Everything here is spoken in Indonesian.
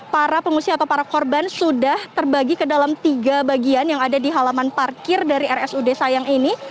para pengungsi atau para korban sudah terbagi ke dalam tiga bagian yang ada di halaman parkir dari rsud sayang ini